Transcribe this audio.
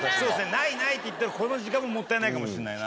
「ないない」って言ってるこの時間ももったいないかもしれないな。